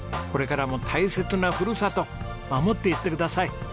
これからも大切なふるさと守っていってください。